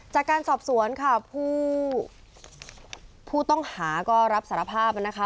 จากการสอบสวนค่ะผู้ต้องหาก็รับสารภาพนะคะ